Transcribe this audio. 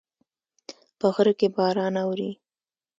په غره کې باران اوري